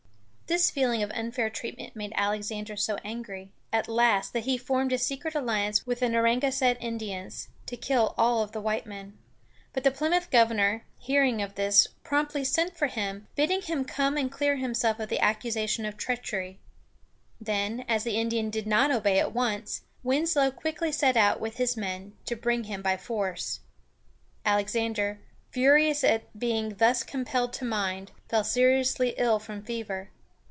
This feeling of unfair treatment made Alexander so angry, at last, that he formed a secret alliance with the Narragansett Indians to kill all the white men. But the Plymouth governor, hearing of this, promptly sent for him, bidding him come and clear himself of the accusation of treachery. Then, as the Indian did not obey at once, Winslow quickly set out, with his men, to bring him by force. Alexander, furious at being thus compelled to mind, fell seriously ill from fever.